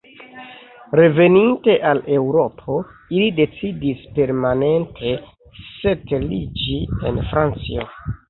Reveninte al Eŭropo, ili decidis permanente setliĝi en Francio.